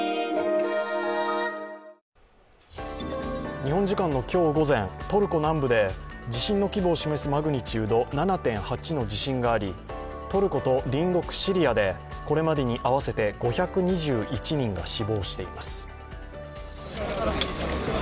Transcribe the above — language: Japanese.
日本時間の今日午前、トルコ南部で地震の規模を示すマグニチュード７．８の地震があり、トルコと隣国シリアでこれまでに合わせて５２１人が死亡しています。